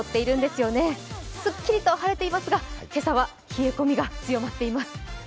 すっきりと晴れていますが今朝は冷え込みが強まっています。